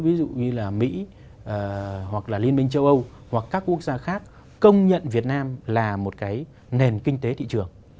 ví dụ như là mỹ hoặc là liên minh châu âu hoặc các quốc gia khác công nhận việt nam là một cái nền kinh tế thị trường